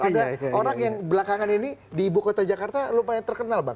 ada orang yang belakangan ini di ibu kota jakarta lumayan terkenal bang